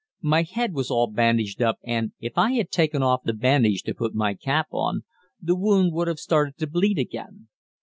My head was all bandaged up, and, if I had taken off the bandage to put my cap on, the wound would have started to bleed again.